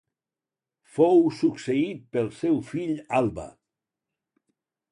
Fou succeït pel seu fill Alba.